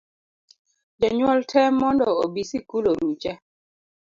Jonyuol tee mondo obi sikul orucha